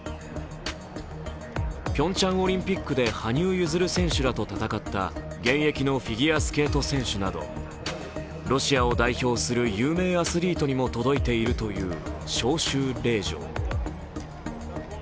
ピョンチャンオリンピックで羽生結弦選手らと戦った現役のフィギュアスケート選手などロシアを代表する有名アスリートにも届いているという招集令状。